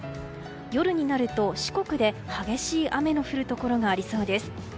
夜になると四国で激しい雨の降るところがありそうです。